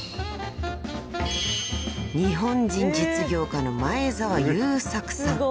［日本人実業家の前澤友作さん］